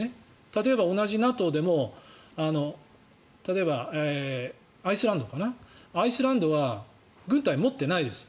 例えば同じＮＡＴＯでもアイスランドかなアイスランドは軍隊を持ってないです。